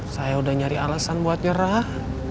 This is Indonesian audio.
saya udah nyari alasan buat nyerah